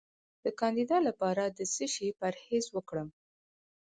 د کاندیدا لپاره د څه شي پرهیز وکړم؟